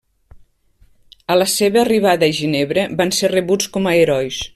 A la seva arribada a Ginebra van ser rebuts com a herois.